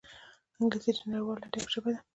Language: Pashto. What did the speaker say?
انګلیسي د نړیوال ادب ژبه ده